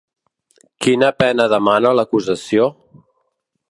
Quina pena demana l’acusació?